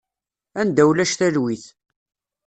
Anda ulac talwit.